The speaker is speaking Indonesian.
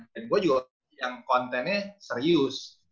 dan gue juga yang kontennya serius